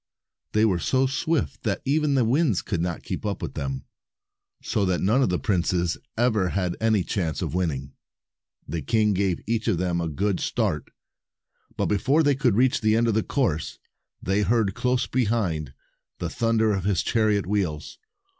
They were so swift that even the winds could not keep up with them, so that none of the princes ever had any chance of winning. The king gave each of them a good start, but long before they reached the end of the course, they heard, close behind, the thunder of his chariot wheels.